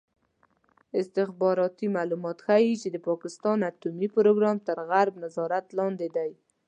استخباراتي معلومات ښيي چې د پاکستان اټومي پروګرام تر غرب نظارت لاندې دی.